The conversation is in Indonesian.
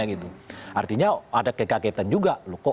artinya ada kekagetan juga